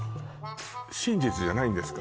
真実じゃないんですか？